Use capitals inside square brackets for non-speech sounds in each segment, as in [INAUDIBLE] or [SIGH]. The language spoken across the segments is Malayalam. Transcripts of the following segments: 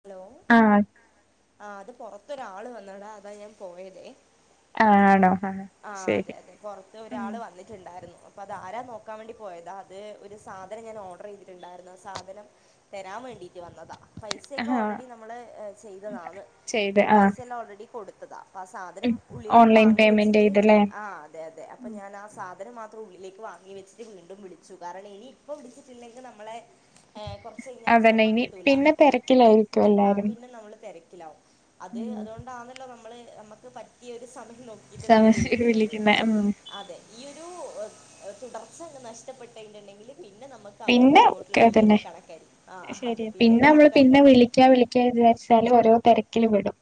ഹലോ ആഹ് ആ അത് പൊറത്തൊരാള് വന്നടാ അതാ ഞാൻ പോയതേ ആ ആണോ ആഹ് ആ അത ശരി അതെ പറത്ത് ഉം ഒരാള് വന്നിട്ടുണ്ടായിരുന്നു അപ്പ അത് ആാര നോക്കാൻ വേണ്ടി അത് ഒരു സാധനം ഞാൻ ഓർഡർ ചെയ്തിട്ടുണ്ടായിരുന്നു ആ സാധനം തരാൻ വേണ്ടീട്ട് വന്നതാ പൈസൊക്കെ ആഹ് ഓൾറെഡി നമ്മള് ചെയ്തതാണ് ചെയ്ത് ആഹ് പൈസയല്ലാം ഓൾറെഡി കൊടുത്തതാ ആ സാധനം ഉം ഉള്ളിലേക്ക് ഓൺലൈൻ വാങ്ങി പേയ്മെന്റ് വെച്ചിട്ട് ചെയ്തല്ലേ ആ് അതെ അതെ അപ്പൊ ഞാൻ ആ സാധന മാത്രം ഉള്ളിലേക്ക് വാങ്ങി വെച്ചിട്ട് വീണ്ടും വിടിച്ചു കാരണം ഇനി ഇപ്പ വിടിച്ചിട്ടില്ലെങ്കിൽ നമ്മളെ ഏ, കുറച്ച് കഴിഞ്ഞാൽ അതന്നെ ചിലപ്പോൾ ഇനി കിട്ടൂല പിന്നെ തിരക്കിലായിരിക്കും ആ എല്ലാരും പിന്നെ നമ്മൾ അത് ഉം അതുകൊണ്ടാണല്ലോ നമ്മള് നമുക്ക് പറ്റിയ ഒരു സമയം നോക്കി നമ്മ സമയത്ത് വിളിക്കുന്നത് വിളിക്കുന്ന ഉം അതെ ഈ ഒരു [UNINTELLIGIBLE] തുടർച്ച നഷ്ടപ്പെട്ടതിണ്ടെങ്കിൽ പിന്നെ നമ്മുക്ക് അങ്ങോട്ടും പിന്നെ ഇങ്ങോട്ടുള്ള അതന്നെ വളിയെല്ലാം കണക്കായിരിക്കും ആ അതെ ശരിയാ പിന്നെ കണക്കായിരിക്കും [UNINTELLIGIBLE] ച്ച ഓരോര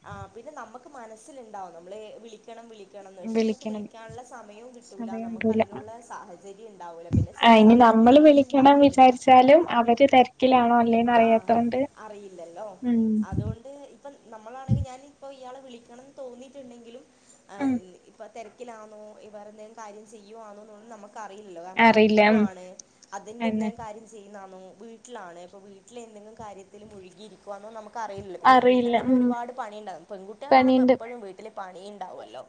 ആ പിന്നെ നമ്മുക്ക് മനസ്സിലുണ്ടാവും നമ്മള് വിളിക്കണം വിളി ണംന്ന് വെച്ചാൽ നമുക്ക് വിളിക്കണം വിളിക്കാനുള്ള സമയവും കിട്ടൂ ല്ല സമയം നമുക്ക് കിട്ടൂല അതിനുള്ള സഹചര്യം ഉണ്ടാവില്ല പിന്നെ ചില ആഹ് ഇനി സാഹച നമ്മള് വിളിക്കണം വിചാരിച്ചാലും അവര് തിരക്കിലാണോ അല്ലേ ന്ന് ആ അറിയാത്തോണ്ട് അറിയില്ലല്ലോ ഉം അതുകൊണ്ട് ഇപ്പം ന മ്മളാണങ്കി ഞാ ന്പ്പോ ഇയാളെ വിളിക്കന്ന് തോന്നിട്ടുണ്ടെങ്കിലും ഉം ഇപ്പം തിരക്കിലാണോ ഇവർ എന്തെങ്കിലും കാര്യം ചെയ്യുവാണോ ന്നെന്നുംനമു ക്ക് അറില്ല കാരണം അറിയില്ല ഉം പഠിക്കുവാണ് അതിന്റെ എന്തേ തന്നെ കാര്യം ചെയ്യുന്നാന്നോ വീട്ടിലാണ് ഇപ്പോ വീട്ടിൽ എന്തെിലും കാര്യത്തിൽ മുഴുകിയിരിക്കുകവാന്നോ നമുക്ക് അറിയില്ല പിന്നെ വീട്ടിൽ അറിയില്ല തന്നെ ഉം ഒരുപാട് പണി ഉണ്ടാവും പെൺകുട്ടി യോളെ കാണുമ്പോ പണിയുണ്ട് എപ്പോഴും വീട്ടില് പണിയുണ്ടാവുമല്ലോ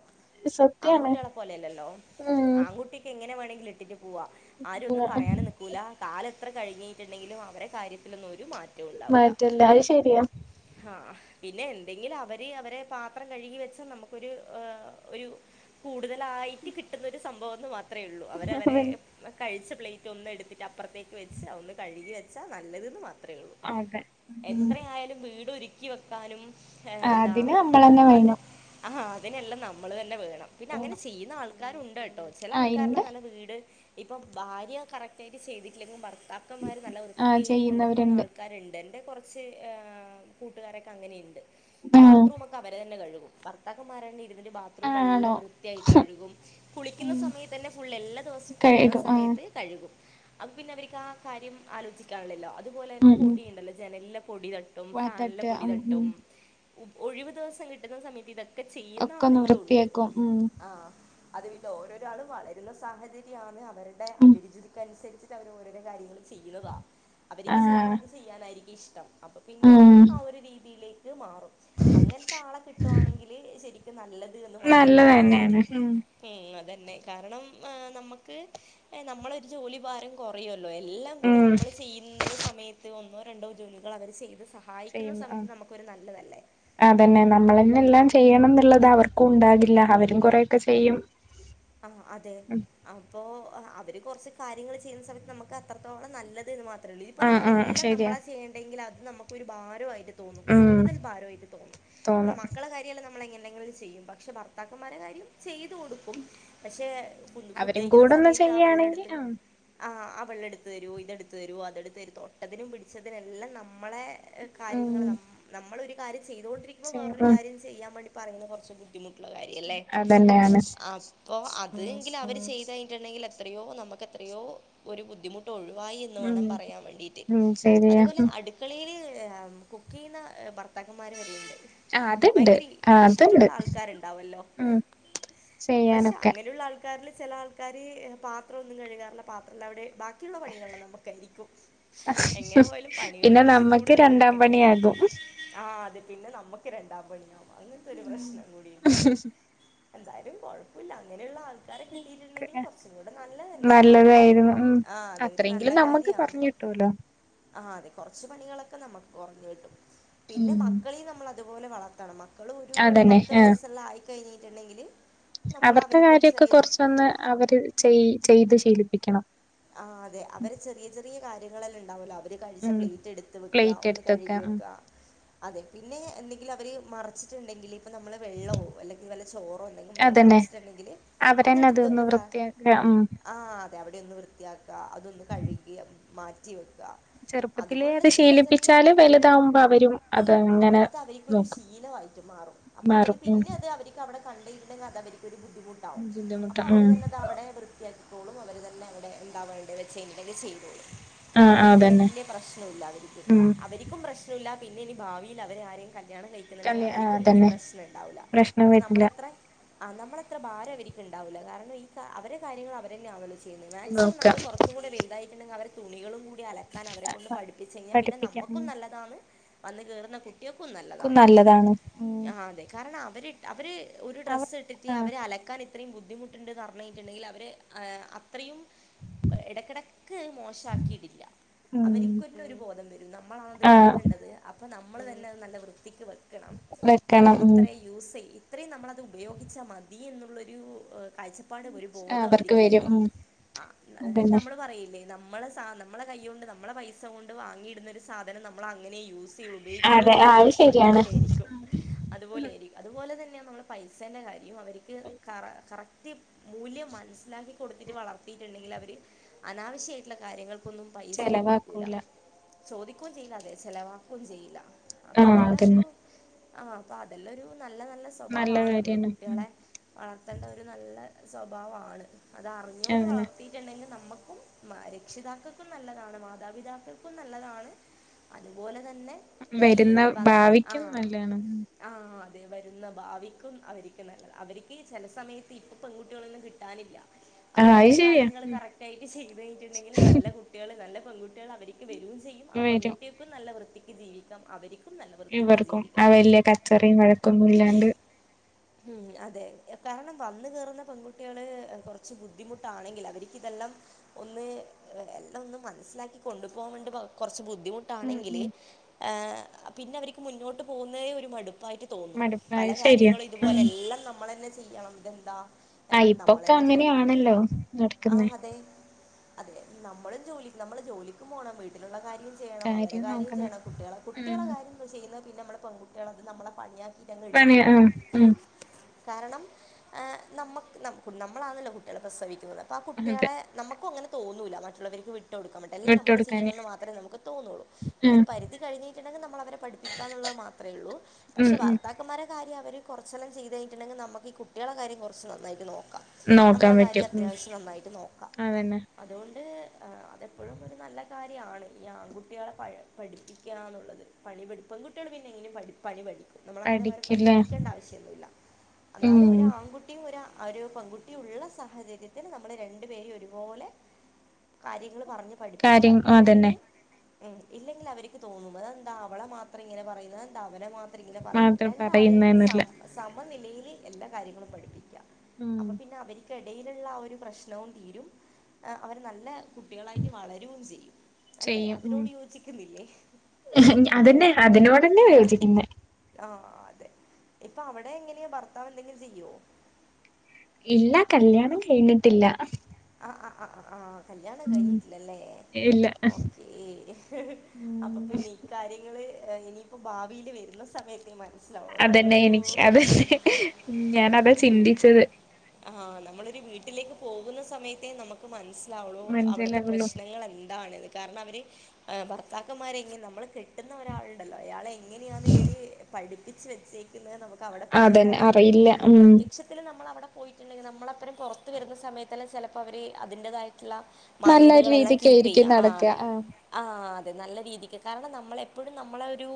സത്യാണ് ആൺകുട്ടികളെ പോലെയല്ലല്ലോ ഉം ആൺകുട്ടിക്ക് എങ്ങനെ വേണമെങ്കിൽ ഇട്ടിട്ട് പോവാ ആര ഒന്നും പറയാനു നിക്കൂല കാല എത്ര കഴിഞ്ഞിട്ടുണ്ടെങ്കിലും അവരെ കാര്യത്തിലന്നു മാറ്റല്ല അത് ശരിയാ ആ പിന്നെ എന്തെങ്കിലും അവര് അവരെ പാത്രം കഴുകി വെച്ചാൽ നമുക്കൊരു ഒരു കൂടുതലാ [UNINTELLIGIBLE] റ്റ് കിട്ടുന്ന ഒരു സംഭവംന്ന് മാത്രം അത്രയേ ഉള്ളൂ അവരവരെ കഴിച്ച പ്ലേറ്റ് ഒന്ന് എടുത്തിട്ട്പ്പുത്തേക്ക് വെച്ച് ഒന്ന് കഴുകി വെ ച്ച നല്ലന്ന് മാത്രമേ ഉള്ളൂ അതെ ഉം എത്രയാലും വീട് ഒ ക്കി വെക്കാനും എന്താ അതിന് നമ്മളന്നെ അത് വേണം ആ അതിനെല്ലാം നമ്മൾ തന്നെ വേ പിന്നെ അങ്ങനെ വേണം ചെയ്യുന്ന ആൾക്കാരുണ്ട് കേട്ടോ ചെല ആ ആൾക്കാരടെ ഇണ്ട് നല്ല വീട് ഇപ്പം ഭാര്യ കറക്റ്റായിട്ട് ചെയ്തിട്ടില്ലെങ്കിൽ ഭർ കാക്കന്മാർ നല്ല ആഹ് വൃത്തിയായിട്ട് കൊണ്ടുപോകുന്ന ചെയ്യുന്നവരുണ്ട് ആൾക്കാര്ണ്ട് എൻ്റെ കൊറച്ച് കൂട്ടുകാരൊ അങ്ങനെണ്ട് ബാത്റൂമൊക്കെ അവര്ന്നെ കഴുകും ഭർത്താക്കന്മാര ഇര്ന്നിട്ട് ബാത്റൂം എല്ലാം ആണോ വൃത്തിയായി കഴുകും കുളിക്കുന്ന ഉം സമയത്ത് തന്നെ ഫുള്ളെല്ലാ ദിവസോം കുളിക്കുന്ന കഴുകും ആഹ് സമയത്ത് കഴുകും അ പിന്നെ അവർക്ക് ആ കാര്യം ആലോചിക്കാനുള്ളല്ലോ അതുപോലെ തന്നെ ഉം ഉം പൊടിയുണ്ടല്ലോ ജനലിലെ പൊടി തട്ടും ഫാനിലെ വാതട്ട് പൊടി ഉം തട്ടും ഉം ഒഴിവ് ദിവസം കിട്ടുന്ന സമയത്ത് ഇതൊക്കെ ചെയ്യുന്ന ഒക്കെ ഒന്ന് ആണുങ്ങളുണ്ട് വൃത്തിയാക്കും ഉം ആ അതു ഓരോരോ ആളുകള് വളരുന്ന സാഹചര്യമാണ് ഉം അവരുടെഅഭിരുചിക്ക് അനുസരിച്ചിട്ട് അവർ ഓരോരോ കാര്യങ്ങൾ ചെയ്യുന്നതാ അവരിക്ക് ചെലപ്പോ ആഹ് അത് ചെയ്യാനായിരിക്കും ഇഷ്ടം അപ്പൊ പിന്നെ ഉം ആ ഒരു രീതിയില് മാറും അങ്ങനത്താളെ കിട്ടുവാണെങ്കിൽ ശെരിക്കും നല്ല മാത്രമേ നല്ലത് പറയാനുള്ളൂ തന്നെയാണ് ഉം ഉം അതെ ണ്ട് കാരണം നമുക്ക് നമ്മളൊരു ജോലി ഭാരം കൊറയു ള്ളൂ എല്ലാം കൂടെ ഉം നമ്മള് ചെയ്യുന്ന സമയത്ത് ഒന്നോ രണ്ടോ ജോലികൾ അവർ ചെയ്ത് സഹായിക്കുന്ന സമയത്ത് നമുക്കൊരു നല്ലതല്ലേ അതെന്നെ നമ്മളെന്നെ എല്ലാം ചെയ്യണം എന്നുള്ളത് അവർക്കും ഉണ്ടാകില്ല അവരും കുറൊയൊക്കെ ചെയ്യും ആ അതെ ഉം അപ്പൊ അവര് കൊർച്ച് കാര്യങ്ങൾ ചെയ്യുന്ന സമയത്ത് നമുക്ക് അത്രത്തോളം നല്ലത് ന്ന് മാത്രം ഇപ്പം ആഹ് ആഹ് നമ്മളെല്ലാം ശരിയാ നമ്മളെ ചെയ്യണ്ടെങ്കിൽ അത് നമുക്കൊരു ഭാരായിട്ട് തോന്നു ഉം കൂടുതൽ ഭാരായിട്ട് തോന്നും തോന്നും അ മക്കളെ കാര്യല്ലം നമ്മള് എങ്ങനെ ന്തെങ്കിലൊക്കെ ചെയ്യും പക്ഷെ ഭർത്താക്കന്മാരെ കാര്യം ചെയ്തു കൊടുക്കും പക്ഷെ ഫുഡ് അവരും കഴിക്കുന്ന കൂടെ ഒന്ന് സമയത്ത് ആ ചെയ്യാണെങ്കി വെള്ളെട്ത്ത് ആ ആ ആ വെള്ളെടുത്ത് തരോ ഇതെടുത്ത് തരോ അതെടുത്ത് തരു തൊട്ടതിനും പിടിച്ചതിനെല്ലാം നമ്മളെ ഉം കാര്യങ്ങള് നമ്മളൊരു കാര്യം ചെയ്തോണ്ടിരിക്കുമ്പോ ചെയ്യ വേറൊരു ഉം കാര്യം ചെയ്യാൻ വേണ്ടി പറയുന്ന കൊറച്ച് ബുദ്ധി ബുദ്ധിമുട്ടുള്ള കാര്യല്ലേ അതന്നെയാണ് അപ്പൊ അത് അവർ ചെയ്ത് കഴിഞ്ഞട്ടുണ്ടെങ്കിൽ എത്രയോ നമുക്ക് എത്രയോ ഒരു ബുദ്ധിമുട്ട്ുള്ളു വായി ന്ന് ഉം വേണം പറയാൻ വേണ്ടട്ട് ഉം ശരിയാ അതുപോലെ അടുക്കളയിയില് കുക്ക് ചെയ്യുന്ന ഭർത്താകന്മാർ വരേണ്ട് ആ അത്ണ്ട് ആ അത്ണ്ട് ആൾക്കാരുണ്ടാവുമല്ലോ ഉം ശ പക്ഷെ അങ്ങനെയുള്ള ആൾക്കാരിൽ ചെല ആൾക്കാര് പാത്രൊന്നും കഴുകാറില്ല പാത്രല്ലാ അവിടെ ബാക്കി ബാക്കിയുള്ള പണികളെല്ലാം നമുക്കായിരിക്കും എങ്ങനെ പോയാലും പണികൾ പിന്നെ കൊർച്ച് നമ്മക്ക് കൂടുതൽ രണ്ടാം നമുക്കെന്നെരിക്കും പണിയാകും ആ അത് പിന്നെ നമ്മുക്ക് രണ്ടാ [UNINTELLIGIBLE] അങ്ങനത്തെ ഒരു പ്രശ്നം കൂടി ണ്ട് എന്തായാലും കൊഴപ്പല്ല അങ്ങനെയുള്ള ആൾ [INAUDIBLE] തന്നെ ആ ഒരു നല്ലതായിരുന്നു ഉം ആ അതൊരു നല്ല അത്രെങ്കിലും നമ്മക്ക് കാര്യമാണ് കൊറഞ്ഞിട്ടുല്ലോ ആ അതെ കൊർച്ച് പണികളൊക്കെ നമുക്ക് കൊർഞ് കിട്ടും പിന്നെ ഉം മക്കളീം നമ്മൾ അതുപോലെ വളർത്തണം മക്കളും ഒരു അതന്നെ പത്ത് ആ വയസ്സുള്ളായിക്കഴിഞ്ഞിട്ടുണ്ടെങ്കില് അവരുടെ കാര്യമൊക്കെ കൊറച്ചൊന്ന് അവര് ചെയ് ചെയ്ത് ശീലിപ്പിക്കണം ആ അതെ അവര് ചെറിയ ചെറിയ കാര്യങ്ങളെല്ലാം ണ്ടാവല്ലോ അവ കഴിച്ച ഉം പ്ലേറ്റ് എടുത്ത് വെക്ക പ്ലേറ്റ് ഒന്ന് എടുത്തൊക്കെ കഴുകി ഉം വെക്ക അതെ പിന്നെ എന്തെങ്കിലും അവര് മറച്ചിട്ടുണ്ടെങ്കില് അപ്പൊ നമ്മള് വെള്ളോ അല്ലെങ്കിൽ വല്ല ചോറോ എന്തെങ്കും അതന്നെ മറച്ചിട്ടുണ്ടെങ്കില് അവരന്നെ അതൊന്ന് അതെടുത്തൊന്ന് കാ വൃത്തിയാക്ക ഉം ആ അതെ അവിടെ ഒന്ന് വൃത്തിയാക്ക അതൊന്ന് കഴുകി മാറ്റി വെക്ക ഉ ചെറുപ്പത്തിലേഅത് ശീലിപ്പിച്ചാല് വലുതാവുമ്പോ അവരും അത് ആ ങ്ങനെ അത് അവർക്കൊരു നോക്കും ശീലമായിട്ട് മാറും അപ്പൊ അവര് മാറും ഉം പിന്നെ അത് അവരിക്കവടെ കണ്ടിട്ടുണ്ടെങ്കിൽ അത് അവർക്കൊരു ബുദ്ധിമുട്ടാകും ബുദ്ധിമുട്ട അപ്പോം അവർ ഉം തന്നെ അത് അവിടെ വൃത്തിയാക്കി ഉണ്ടാവേ വെച്ച എന്തേലും ചെയ്തോളൂ ആഹ് ആഹ് അപ്പോപിന്നെ അതന്നെ വല്യ പ്രശ്നല്ല അവർക്ക് ഉം അവരിക്കും പ്രശ്നല്ല പിന്നെ ഇനി ഭാവിയിൽ അവര് ആരേം കല്യാണം കഴിക്കുന്നുണ്ടെങ്കി കല്യ ആഹ് അവരിക്കും ഈ അതന്നെ പ്രശ്നം ഉണ്ടാവില്ല പ്രശ്നം കാരണം വരില്ല നമ്മളത്ര ആ നമ്മള അത്ര ഭാരം അവർക്ക് ഉണ്ടാവില്ല കാരണം ഈ അവരെ കാര്യങ്ങൾ അവരന്നെയാണല്ലോ ചെയ്യുന്ന മാക്സിമം നോക്കാം നമ്മള് കുറച്ചുടെ വലുതായിടുണ്ടെങ്കിൽ അവരെ തുണികളും അലക്കാൻ അവരെ കൊണ്ട് പഠിപ്പിച്ച കഴിഞ്ഞാൽ പിന്നെ പഠിപ്പിക്കാം നമ്മുക്കും ഉം നല്ലതാണ് വന്ന് കേറുന്ന കു ട്ടിക്കും നല്ലതാ ക്കും അത് നല്ലതാണ് ഉം ആഹ് അതെ കാരണം അവര് അവര് ഒരു അവർ ഡ്രസ്സ് ഇട്ടിട്ട് ആഹ് അവരെ അലക്കാൻ ഇത്രയും ബുദ്ധിമുട്ട്ണ്ട്ന്നറിഞ്ഞു കഴിഞ്ഞട്ടുണ്ടെങ്കിൽ അവർ അത്രയും ഇടക്കിടക്ക് മോശക്കിയിടില്ല ഉം അവർക്ക്ക്കേ ഒരു ബോധം വരും നമ്മളാണ് ഇത് ആഹ് കഴുകണ്ടത് അപ്പോ നമ്മൾ തന്നെ അത് നല്ല വൃത്തിക്ക് വെക്കണം വെക്കണം ഉം ഇത്രയും യൂസ് ചെയ്യ അത്രയും നമ്മളത് ഉപയോഗിച്ചാൽ മതി എന്നുള്ളരു കാഴ്ചപ്പാട് ഒരു ബോധം അവർക്ക് വരും ആ അതായത് അതന്നെ നമ്മള് പറയില്ലേ നമ്മളെ നമ്മളെ കൈ കൊണ്ട് നമ്മെ പൈസ കൊണ്ട് വാങ്ങിയിടുന്നൊരു സാധനം നമ്മൾ അങ്ങനെ യൂസ് ഉപയോഗി കൊള്ളൂ അതെ എന്ന് ആഹ് അത് പറയില്ലേ ശരിയാണ് അതുപോലേയിരിക്കും അതുപോലെരിക്കും അതുപോലെ തന്നെ പൈസ കാര്യ അവക്ക് കറ കറക്റ്റ് മൂല്യം മനസിലാക്കി കൊടുത്തിട്ട് വള ത്തിട്ടുണ്ടേൻക്കില് അവര് അനാവശ്യായിട്ടുള്ള കാര്യങ്ങൾക്കൊന്നും പൈസ ചോദിക്കൂല ചെലവാക്കൂല ചോദിക്കുകയും ചെയ്യില്ല അത് ചെലവാക്കുകയും ചെയ്യില്ല അപ്പൊ ആഹ് അതെല്ലാം ഒരു അതന്നെ ആഹ് അപ്പൊ അതെല്ലാംരു നല്ല നല്ല സ്വഭാവമാണ് നമ്മള് കാര്യാണ് ഉം കുട്ടികളെ വളർത്തേണ്ട ഒരു നല്ല സ്വഭാവമാണ് അതാ അങ്ങനെ വളർത്തിയിട്ടുണ്ടെങ്കിൽ നമ്മ ക്കും രക്ഷിതാക്കൾക്കും നല്ലതാണ് മാതാപിതാക്കൾക്കും നല്ലതാണ് അത്പോലെ തന്നെ ഈ വരുന്ന വന്ന ഭാവിക്കും ആഹ് നല്ലാണ് ഉം ആഹ് വരുന്ന ഭാവിക്കും അവർക്ക് നല്ലത് അവർക്ക് ചില സമയത്ത് ഇപ്പ പെൺകുട്ടികളേന്നും കിട്ടാനില്ല അവര് ആഹ് അത് അവടെ ശരിയാ കാര്യങ്ങൾ ഉം കറക്റ്റായിട്ട് ചെയ്ത് കഴിഞ്ഞട്ടുണ്ടെങ്കിൽ നല്ല കുട്ടികൾ നല്ല പെൺകുട്ടികൾ അവർക്ക് വരു ചെയ്യും ആ വരും പെൺകുട്ടികൾക്ക് നല്ല വൃത്തിക്ക് ജീവിക്കാം അവര് ഇവർക്കും ആ വല്യ കച്ചറയും വഴക്കൊന്നുംല്ലാണ്ട് ഉം അതെ കാരണം വന്ന് കേറുന്ന പെൺകുട്ടികള് കുറച്ച് ബു ബുദ്ധിമുട്ടാണെങ്കിൽ ദ്ധി ദ്ധി ബുദ്ധിമുട്ടാണെങ്കിൽ അവർക്ക്തെല്ലാ ഒന്ന് എല്ലാം ഒന്ന് മനസ്സിലാക്കി കൊണ്ടുപോൻ വേണ്ടി കുറച്ച് ബു ഉം ബുദ്ധിമുട്ടാണെങ്കിൽ ഉം ആഹ് പിന്നെ അവർക്ക് മുന്നോട്ട് പോകുന്ന ഒരു മടു പ്പായിട്ട് തോന്നും മടുപ്പായ പല ശരിയാ കാര്യങ്ങളും ഇതുപോലെ ഉം എല്ലാം നമ്മൾ തന്നെ ചെയ്യണം ഇതെന്താ ആഹ് ഇപ്പൊക്കെ അങ്ങനെയാണല്ലോ നടക്കുന്നേ ആഹ് അതെ അതെ നമ്മളും ജോലി നമ്മള് ജോലിക്കും പോണം വീട്ടിലുള്ള കാര്യ ങ്ങൾ ചെയ്യണം അവരെ കാര്യം ചെയ്യണം കുട്ടികള കുട്ടികള ഉം കാര്യ ചെയ്യുന്നത് പിന്നെ പെകുട്ടികൾത് നമ്മെ പണിയാ പണിയ ആഹ് ഉം കാരണം നമ്മ നമ്മളാണല്ലേ കുട്ടികളെ പ്രസവി ക്കുന്നത് ആ അതെ കുട്ടികളെ നമുക്ക അങ്ങനെ തോന്നൂല്ല മറ്റുള്ളവർക്ക് വേണ്ടി വിട്ട് കൊടുക്കാൻ വേണ്ടി എല്ലാം നമ്മള് വിട്ടൊടുക്കാന് ചെയ്യാനേ നമുക്ക് തോന്നുള്ളൂ ആ ഒരു പരിതി കഴിഞ്ഞിട്ടുണ്ടെങ്കിൽ നമ്മള് അവരെ പഠിപ്പിക്കുള്ള മാത്രമേ ഉള്ളൂ ഉം പക്ഷെ ഉം ഭർത്താക്കന്മാരെ കാര്യം അ അവര് കുറച്ചൊല്ലാ ചെയ്തുട്ടുണ്ടെങ്കിൽ നമുക്ക് ഈ കുട്ടികളടെ കാര്യം കുറച്ചു നന്നായിട്ട് നോ നോക്കാം അത്യാവശ്യം നന്നായിട്ട് നോക്കാം അതൊ അതെപ്പോഴും ഒരു നല്ല കാര്യമാണ് ഈ ആൺകുട്ടികളെ പഠി പഠിപ്പിക്കാന്നുള്ളത് പണിപ്പടി പെൺകുട്ടികള് പിന്നെ എങ്ങനെകിലും പണി പടിക്കും നമ്മളങ്ങനെ അവരെ പഠിക്കില്ലേ പഠിപ്പിക്കേണ്ട ആവശ്യൊന്നുല്ല ഉം എന്നാലും ഒരു ആൺകുട്ടിയും ഒരാ ഒരു പൺകുട്ടിയും ഉള്ള സാഹചര്യത്തിന് നമ്മള് രണ്ടു പേരും ഒരുപോലെ കാര്യങ്ങള് പറഞ്ഞ് പഠിപ്പിക്കാ കാര്യം അതന്നെ ഇല്ലെങ്കില് ഇല്ലെങ്കിൽ അവര്ക്ക് തോന്നും ഇത് എന്താ അവളെ മാത്രം ഇങ്ങനെ പറയുന്നത് എന്താ അവനെ മാ അവരിങ്ങനെ പറയും മാത്രം രണ്ടാളെയും പറയുന്നന്നില്ല സമ സമനിലയിൽ എല്ലാ കാര്യങ്ങളും പഠിപ്പിക്കുക ഉം അപ്പൊ പിന്നെ അവർക്ക്ടയിലുള്ള ആ ഒരു പ്രശ്നവും തീരും അവർ നല്ല കുട്ടികളായിട്ട് വളരുകയും ചെയ്യും അല്ലേ ചെയ്യും അതിനോട് യോജിക്കുന്നില്ലേ ഉ അതന്നെ അതിനോടെന്നെ വേ ആഹ അതെ ഇപ്പൊ അവിടെ എങ്ങനെയ ഭർത്താവ് എന്തെങ്കിലും ചെയ്യോ? ഇല്ല കല്ല്യാണം കഴിഞ്ഞിട്ടില്ല. ആ ആ ആ ആ കല്യാണം ഉം കഴിഞ്ഞിട്ടില്ലല്ലേ? ഇല്ല ഓക്കേ, ഹഹഹ അപ്പൊ ഉം പിന്നെ ഇ കാര്യങ്ങൾ ഇനിയിപ്പോ ഭാവിയിൽ വരുന്ന സമയത്തേ മന അതെന്നെ എനിക്ക് അതന്നെ ഉം ഞാനതാ ചിന്തിച്ചത്. ആഹ നമ്മളൊരു വീട്ടിലേക്ക് പോകുന്ന സമയത്തെേ നമുക്ക് മനസ്സിലാവുള്ളൂ അവിടുത്തെ മനസ്സിലാകുള്ളൂ പ്രശ്നങ്ങൾ എന്താണ് കാരണം അവർ ഭർത്താക്കന്മാരെങ്ങനും നമ്മൾ കിട്ടുന്ന ഒരാളുണ്ടല്ലോ അയാളെ എങ്ങനെയാാണ് ഇവര് പഠി ച്ച് വെച്ചേക്കുന്നത് നമുക്ക് അവിടെ പോയാൽ അതന്നെ അറിയുള്ളൂ അറിയില്ല ഉം പ്രത്യക്ഷത്തിൽ നമ്മൾവിടെ പോയിട്ടുണ്ടെങ്കിൽ നമ്മള അപ്പരം പുറത്ത് വരുന്ന സമയത്തല്ലാം ചിലപ്പോൾ അവർ അതിന്റതായി ള്ള നല്ലൊരു മാന്യതകളെല്ലാം കീപ്പ് രീതിക്കായിരിക്കും ചെയ്യാം ആ നടക്ക ആഹ് ആഹ അതെ നല്ല രീതിക്ക് കാരണം നമ്മളെ എപ്പഴും നമ്മൾ ഒരു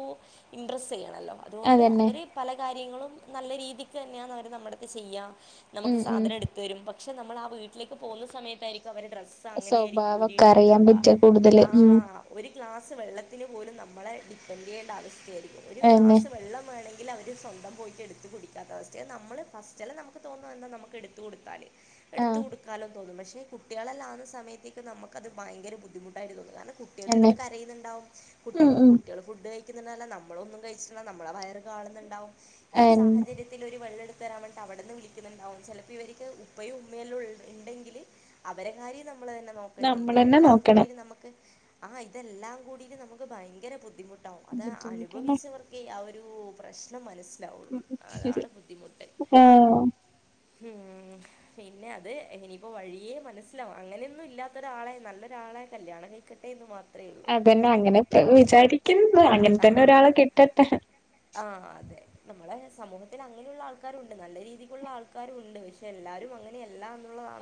ഇമ്പ്രെസ്സ് ചെയ്യണല്ലോ അതുകൊണ്ട് അതന്നെ അവർ പല കാര്യങ്ങൾ. ങ്ങളും നല്ല രീതിക്ക് തന്നെയ അവർ നമ്മടെ അടുത് തന്നെയാ ചെയ്യ നമുക്ക് ഉം ഉം സാധനം എടുതു തരും പക്ഷെ നമ്മൾ ആ വീട്ടിൽ വട്ടിലേക്ക് പോകുന്ന സമയത്തായിരിക്കും അവർ ഡ്രസ്സ് അങ്ങനെയയിരിക്കും സ്വഭാവൊക്കെ അറിയാൻ ഊരിയിടുന്നുണ്ടാവ പറ്റ കൂടുതല് ഉം ആഹ ഒരു ഗ്ലാസ് വെള്ളത്തിന് പോലും നമ്മളെ ഡിപേൻഡ് ചെയ്യേണ്ട അവസ്ഥയായിരിക്കും. ഒരു അയന്നെ ഗ്ലാസ് വെള്ളം വേണെങ്കിൽ എങ്കിൽ അവർ സ്വന്തം പോയിട്ട് എടുത്ത് കുടിക്കാത്ത അവസ്ഥയാ നമ്മൾ ഫസ്റ്റ് എല്ലാം നമുക്ക് തോന്നും എന്താ നമുക്ക് എടുത്ത് കൊടുത്താൽ എടുത്ത് ആഹ് കൊടുക്കോലോ തോന്നും പക്ഷേ കുട്ടികളല്ലാവുന്ന സമയത്തേക്ക് നമുക്ക് അത് ഭയങ്കര ബുദ്ധിമുട്ടായി തോന്നും. കാരണം കുട്ടികൾ അന്നെ ഇവിടുന്ന് കരയുന്നുണ്ടാവും ഉം കുട്ടികൾക് ഉം കുട്ടികൾ ഫുഡ് കഴി [UNINTELLIGIBLE] നമ്മളോന്നും കഴിച്ചില്ല നമ്മളെ വയർ കാണുന്നുണ്ടകും ഈ അയന്നെ സാഹചര്യത്തിൽ ഒരു വെള്ളടു തരാൻ വേണ്ടി അവിടെന്ന് വിളിക്കുന്നുണ്ടാവും ചിലപ്പോ ഇവർക്ക് ഉപ്പയും ഉമ്മല്ലാം ഉണ്ടെങ്കിൽ അവരെ കാര്യം നമ്മൾ തന്നെ നോക്കണ്ട് നമ്മളന്നെ ഇതെല്ലാം നോക്കണം കൂടിട്ട് നമുക്ക് ആ ഇതെല്ലാം കൂടി നമുക്ക് ഭയങ്കര ബുദ്ധിമുട്ടാവും അത് ബുദ്ധിമുട്ടാണ് അനുഭവിച്ചവർക്കെ ആ ഒരു ഒരു പ്രശ്നം മനസ് ഉ ശരി ആ ഹം പിന്നെ അത് ഇനിയിപ്പോ വഴിയേ മനസ്സിലാവും അങ്ങനെയൊന്നും ഇല്ലാത്തൊരാളെ നല്ലൊരാളെ കല്യാണം കഴിക്കട്ടെ എന്ന് മാത്രം അ പിന്നെ അങ്ങനെ [UNINTELLIGIBLE] വിചാരിക്കുന്നു അങ്ങനെ ആ തന്നെ ഒരാളെ കിട്ടട്ടെ. നമ്മളുടെ സമൂഹത്തിൽ അങ്ങനെയുള്ള ആൾക്കാരുണ്ട് നല്ല രീതിക്കുള്ള ആൾക്കാരു ഉണ്ട് പക്ഷെ എല്ലാരും അങ്ങനെയ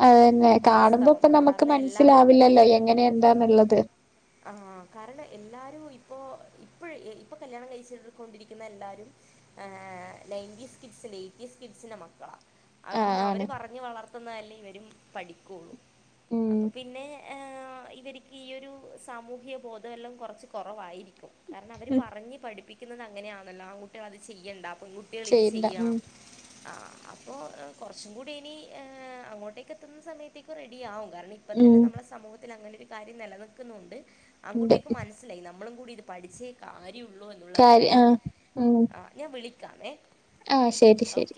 അതന്നെ കാണുമ്പോ ഇപ്പ നമുക്ക് കാരണം എല്ലാവരും മനസ്സിലാവില്ലല്ലോ എങ്ങനെ എന്താന്നുള്ളത്. ആ കാരണം എല്ലാരും ഇപ്പൊ ഇപ്പോഴ ഇപ്പൊ കല്യാണം കഴിച്ച കൊണ്ടിരിക്കുന്ന എല്ലാരും നയനടീസ് കിഡ്സ്‌ ൽ എയ്റ്റീസ്‌ കിഡ്സ്ന്റെ മക്കളാ. ആ ആഹ് പിന്നെ അവര് ആണ് പറഞ്ഞ് വളർത്തുന്നതല്ലേ ഇവരും പഠിക്കുള്ളു അപ്പൊ ഉം പിന്നെ ഇവർക്ക് ഈ ഒരു സാമൂഹ്യ ബോധമെല്ലാം കുറച്ച് കുറവായിരിക്കും. കാരണം അവർ പറഞ്ഞ് പഠിപ്പിക്കുന്നത് അങ്ങനെയാണല്ലോ ആകുട്ട അത് ചെയ്യണ്ട. പെൺകുട്ടികൾ ഇത് ചെയ്യണ്ട ഉം ചെയ്യണം. ആ അപ്പോൾ കുറച്ചും കൂടി ഇനി അങ്ങോട്ടേക്ക് എത്തുന്ന സമയത്തേക്കും റെഡിയാകും. കാരണം ഇപ്പ ഉം തന്നെ നമ്മുടെ സമൂഹത്തിൽ അങ്ങനെ ഒരു കാര്യം നിലനിൽക്കുന്നുണ്ട്. ഉണ്ട് ആൺകുട്ടികൾക്കു മനസ്സിലായി നമ്മളും കൂടി പഠിച്ചേ കാര്യുള്ളൂ എന്നുള്ള കാര്യ കാര്യം ആഹ് ആ ഞാൻ വിളിക്കാമേ. ആഹ ശരി ശരി.